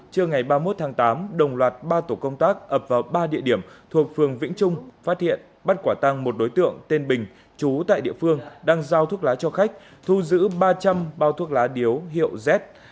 trưa ngày ba mươi một tháng tám đồng loạt ba tổ công tác ập vào ba địa điểm thuộc phường vĩnh trung phát hiện bắt quả tăng một đối tượng tên bình chú tại địa phương đang giao thuốc lá cho khách thu giữ ba trăm linh bao thuốc lá điếu hiệu z